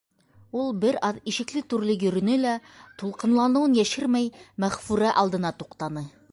Ул бер аҙ ишекле-түрле йөрөнө лә, тулҡынланыуын йәшермәй, Мәғфүрә алдына туҡтаны.